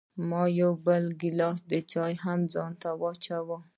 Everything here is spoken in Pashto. ما یو بل ګیلاس چای هم ځان ته واچوه.